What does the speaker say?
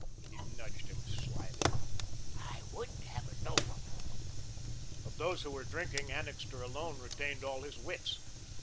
he nudged him slyly, "I wouldn't have it known!" Of those who were drinking, Annixter alone retained all his wits.